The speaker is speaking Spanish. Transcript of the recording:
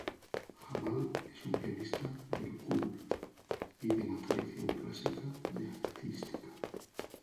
Jamal es un pianista del "cool" y de la tradición clásica jazzística.